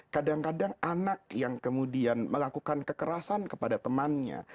kadang kadang anak yang kemudian melakukan kekerasan kepada temannya